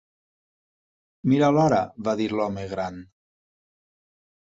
'Mira l'hora', va dir l'home gran.